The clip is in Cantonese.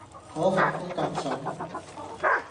嗰份工咁旬